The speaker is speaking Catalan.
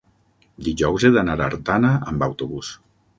Dijous he d'anar a Artana amb autobús.